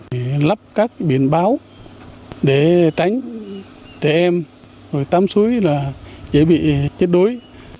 để lắp các biển báo để tránh trẻ em rồi tắm suối là chế bị chết đuối